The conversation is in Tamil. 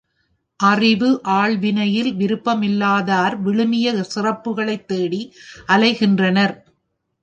அறிவு, ஆள்வினையில் விருப்பமில்லாதார் விழுமிய சிறப்புக்களைத் தேடி அலைகின்றனர்.